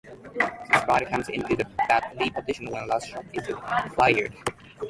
The slide comes into the battery position when last shot is fired.